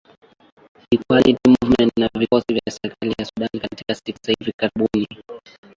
equality movement na vikosi vya serikali ya sudan katika siku za hivi karibuni